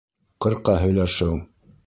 ҠЫРҠА ҺӨЙЛӘШЕҮ